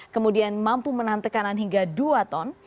kemudian mampu menahan tekanan hingga dua ton